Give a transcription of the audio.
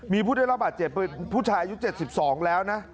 มีผู้ได้รับบาดเจ็บเป็นผู้ชายอายุ๗๒แล้วนะ